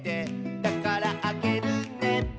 「だからあげるね」